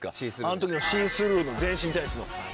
あの時のシースルーの全身タイツの。